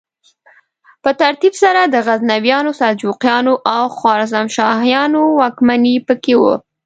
په ترتیب سره د غزنویانو، سلجوقیانو او خوارزمشاهیانو واکمني پکې وه.